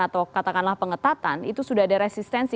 atau katakanlah pengetatan itu sudah ada resistensi